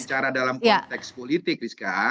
tapi kalau bicara dalam konteks politik rizka